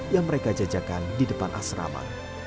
yang mereka jajakan di depan asrama